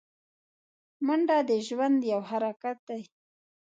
منډه د ژوند یو حرکت دی